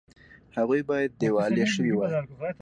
هغوی باید دیوالیه شوي وي